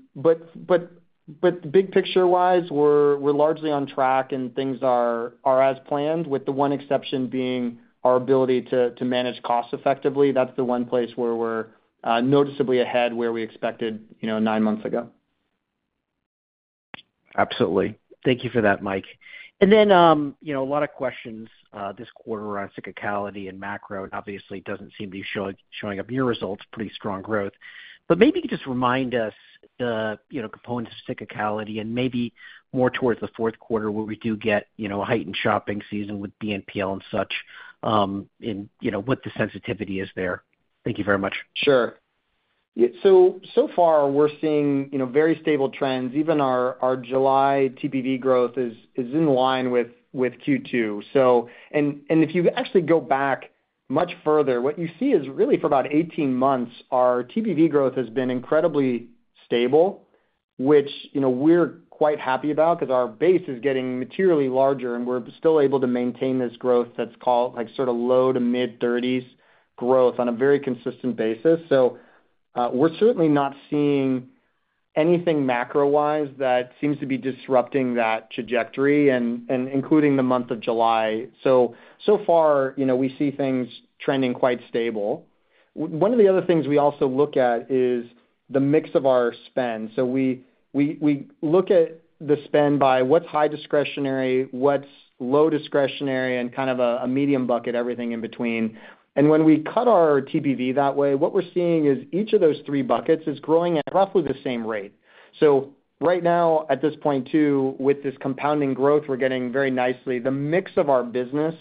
big picture-wise, we're largely on track, and things are as planned, with the one exception being our ability to manage costs effectively. That's the one place where we're noticeably ahead, where we expected, you know, nine months ago. Absolutely. Thank you for that, Mike. And then, you know, a lot of questions this quarter around cyclicality and macro. Obviously, it doesn't seem to be showing up in your results, pretty strong growth. But maybe just remind us the, you know, components of cyclicality and maybe more towards the fourth quarter, where we do get, you know, a heightened shopping season with BNPL and such, and, you know, what the sensitivity is there. Thank you very much. Sure. Yeah, so far, we're seeing, you know, very stable trends. Even our July TPV growth is in line with Q2. So, and if you actually go back much further, what you see is really for about 18 months, our TPV growth has been incredibly stable, which, you know, we're quite happy about because our base is getting materially larger, and we're still able to maintain this growth that's called, like, sort of low- to mid-30s growth on a very consistent basis. So, we're certainly not seeing anything macro-wise that seems to be disrupting that trajectory, including the month of July. So far, you know, we see things trending quite stable. One of the other things we also look at is the mix of our spend. So we look at the spend by what's high discretionary, what's low discretionary, and kind of a medium bucket, everything in between. And when we cut our TPV that way, what we're seeing is each of those three buckets is growing at roughly the same rate. So right now, at this point too, with this compounding growth, we're getting very nicely. The mix of our business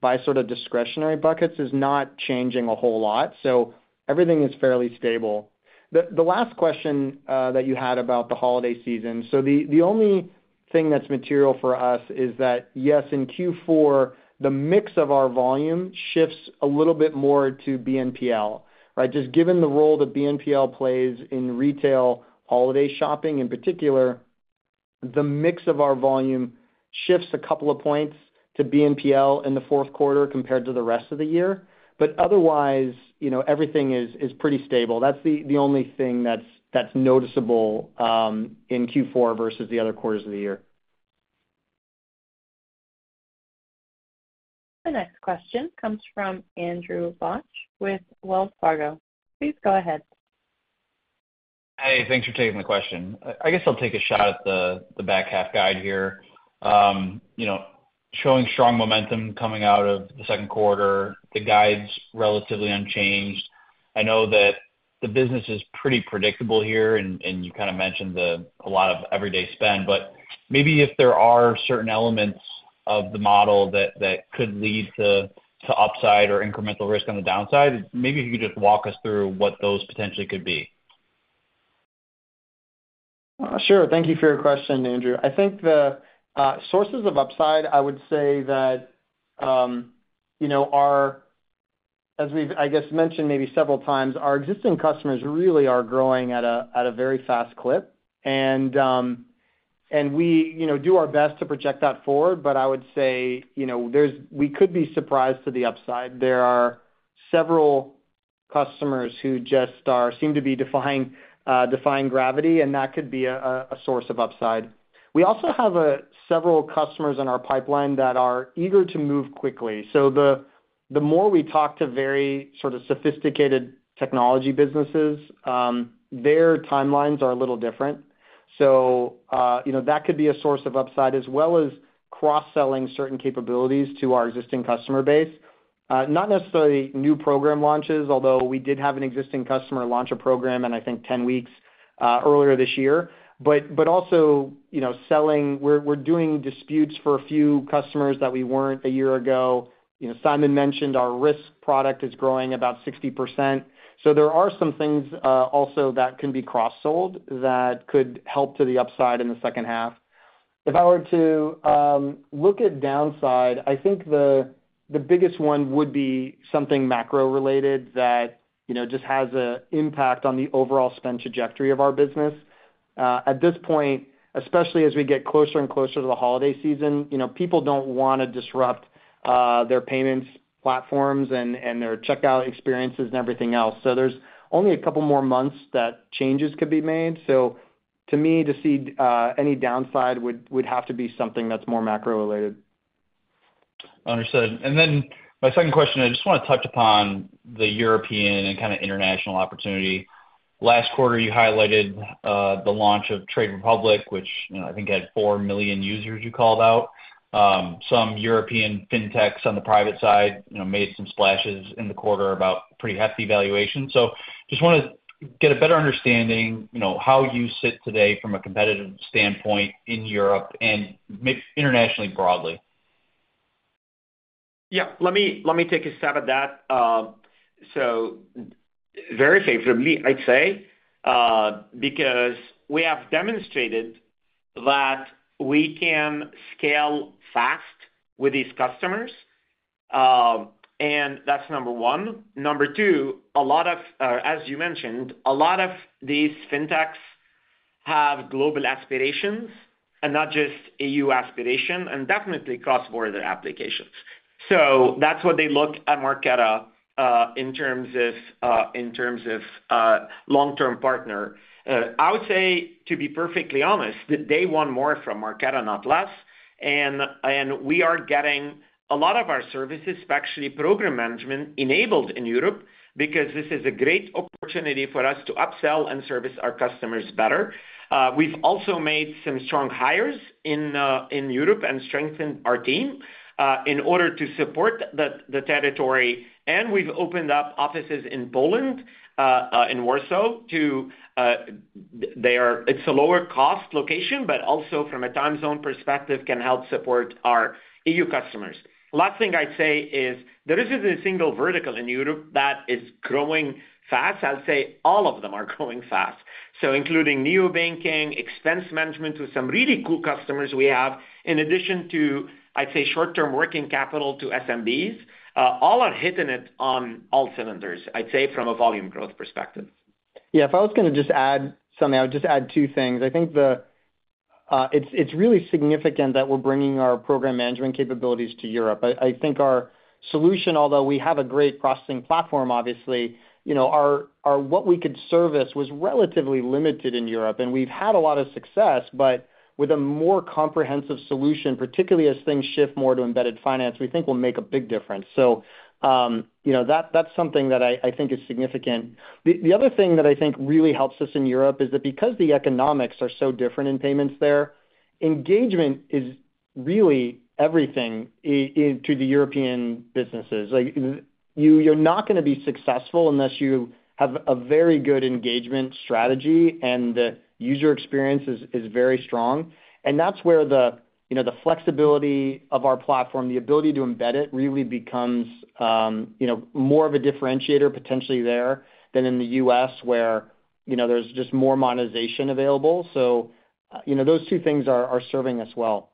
by sort of discretionary buckets is not changing a whole lot, so everything is fairly stable. The last question that you had about the holiday season. So the only thing that's material for us is that, yes, in Q4, the mix of our volume shifts a little bit more to BNPL, right? Just given the role that BNPL plays in retail, holiday shopping, in particular, the mix of our volume shifts a couple of points to BNPL in the fourth quarter compared to the rest of the year. But otherwise, you know, everything is pretty stable. That's the only thing that's noticeable in Q4 versus the other quarters of the year. The next question comes from Andrew Bauch with Wells Fargo. Please go ahead. Hey, thanks for taking the question. I guess I'll take a shot at the back half guide here. You know, showing strong momentum coming out of the second quarter, the guide's relatively unchanged. I know that the business is pretty predictable here, and you kind of mentioned the - a lot of everyday spend, but maybe if there are certain elements of the model that could lead to upside or incremental risk on the downside, maybe if you could just walk us through what those potentially could be. Sure. Thank you for your question, Andrew. I think the sources of upside, I would say that, you know, our, as we've, I guess, mentioned maybe several times, our existing customers really are growing at a very fast clip. And we, you know, do our best to project that forward, but I would say, you know, there's we could be surprised to the upside. There are several customers who just seem to be defying gravity, and that could be a source of upside. We also have several customers in our pipeline that are eager to move quickly. So the more we talk to very sort of sophisticated technology businesses, their timelines are a little different. So, you know, that could be a source of upside, as well as cross-selling certain capabilities to our existing customer base. Not necessarily new program launches, although we did have an existing customer launch a program in, I think, 10 weeks, earlier this year. But also, you know, selling. We're doing disputes for a few customers that we weren't a year ago. You know, Simon mentioned our risk product is growing about 60%. So there are some things, also, that can be cross-sold that could help to the upside in the second half. If I were to look at downside, I think the biggest one would be something macro-related that, you know, just has an impact on the overall spend trajectory of our business. At this point, especially as we get closer and closer to the holiday season, you know, people don't wanna disrupt their payments platforms and their checkout experiences and everything else. So there's only a couple more months that changes could be made. So to me, to see any downside would have to be something that's more macro-related. Understood. And then my second question, I just wanna touch upon the European and kind of international opportunity. Last quarter, you highlighted the launch of Trade Republic, which, you know, I think had 4 million users, you called out. Some European fintechs on the private side, you know, made some splashes in the quarter about pretty hefty valuation. So just wanna get a better understanding, you know, how you sit today from a competitive standpoint in Europe and internationally, broadly. Yeah, let me take a stab at that. So very favorably, I'd say, because we have demonstrated that we can scale fast with these customers, and that's number one. Number two, a lot of, as you mentioned, a lot of these fintechs have global aspirations and not just E.U. aspiration, and definitely cross-border applications. So that's what they look at Marqeta in terms of long-term partner. I would say, to be perfectly honest, that they want more from Marqeta, not less. And we are getting a lot of our services, especially program management, enabled in Europe, because this is a great opportunity for us to upsell and service our customers better. We've also made some strong hires in Europe and strengthened our team in order to support the territory. We've opened up offices in Poland, in Warsaw. It's a lower cost location, but also from a time zone perspective, can help support our E.U. customers. Last thing I'd say is there isn't a single vertical in Europe that is growing fast. I'll say all of them are growing fast. So including neobanking, expense management, with some really cool customers we have, in addition to, I'd say, short-term working capital to SMBs, all are hitting it on all cylinders, I'd say, from a volume growth perspective. Yeah, if I was gonna just add something, I would just add two things. I think that it's really significant that we're bringing our program management capabilities to Europe. I think our solution, although we have a great processing platform, obviously, you know, our what we could service was relatively limited in Europe, and we've had a lot of success, but with a more comprehensive solution, particularly as things shift more to embedded finance, we think will make a big difference. So, you know, that's something that I think is significant. The other thing that I think really helps us in Europe is that because the economics are so different in payments there, engagement is really everything in to the European businesses. Like, you're not gonna be successful unless you have a very good engagement strategy, and the user experience is very strong. That's where the, you know, the flexibility of our platform, the ability to embed it, really becomes, you know, more of a differentiator potentially there than in the U.S., where, you know, there's just more monetization available. So, you know, those two things are serving us well.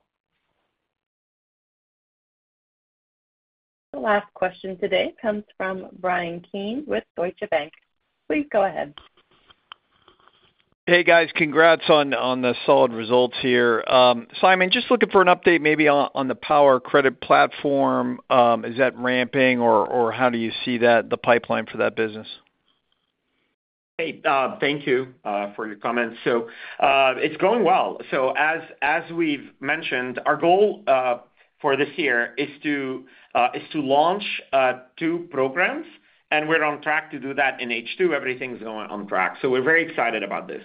The last question today comes from Brian Keane with Deutsche Bank. Please go ahead. Hey, guys. Congrats on the solid results here. Simon, just looking for an update maybe on the powered credit platform. Is that ramping, or how do you see that, the pipeline for that business? Hey, thank you, for your comments. So, it's going well. So as we've mentioned, our goal, for this year is to launch two programs, and we're on track to do that in H2. Everything's going on track, so we're very excited about this.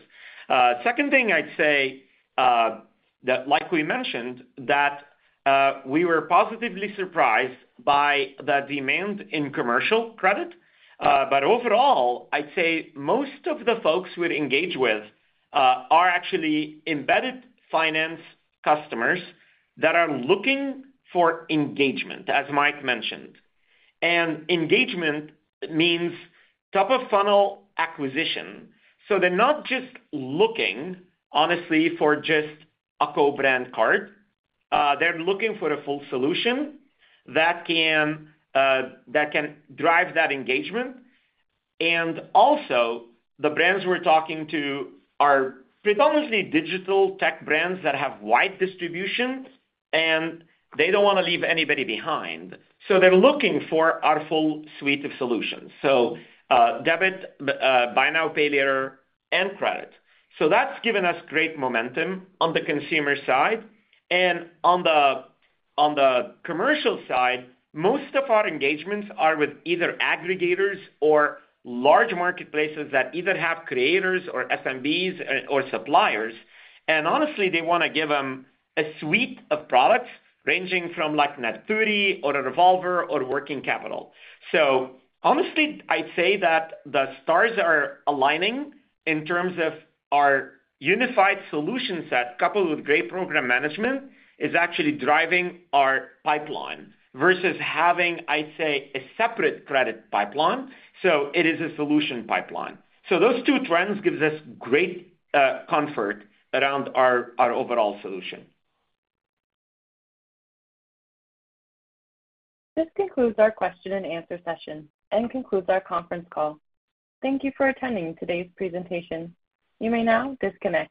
Second thing I'd say, that like we mentioned, that we were positively surprised by the demand in commercial credit. But overall, I'd say most of the folks we'd engage with are actually embedded finance customers that are looking for engagement, as Mike mentioned. And engagement means top-of-funnel acquisition. So they're not just looking, honestly, for just a co-brand card. They're looking for a full solution that can drive that engagement. And also, the brands we're talking to are predominantly digital tech brands that have wide distribution, and they don't wanna leave anybody behind. So they're looking for our full suite of solutions, so, debit, buy now, pay later, and credit. So that's given us great momentum on the consumer side. And on the commercial side, most of our engagements are with either aggregators or large marketplaces that either have creators or SMBs or suppliers, and honestly, they wanna give them a suite of products ranging from like Net 30 or a revolver or working capital. So honestly, I'd say that the stars are aligning in terms of our unified solution set, coupled with great program management, is actually driving our pipeline versus having, I'd say, a separate credit pipeline. So it is a solution pipeline. So those two trends gives us great comfort around our overall solution. This concludes our question-and-answer session and concludes our conference call. Thank you for attending today's presentation. You may now disconnect.